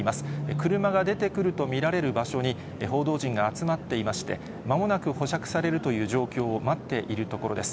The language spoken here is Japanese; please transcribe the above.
車が出てくると見られる場所に報道陣が集まっていまして、まもなく保釈されるという状況を待っているところです。